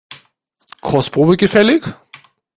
Kostprobe gefällig?